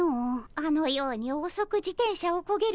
あのようにおそく自転車をこげる